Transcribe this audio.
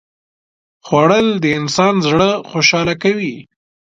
خوړل د انسان زړه خوشاله کوي